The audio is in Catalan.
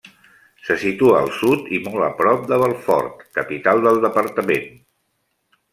Se situa al Sud i molt a prop de Belfort, capital del departament.